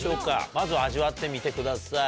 まずは味わってみてください。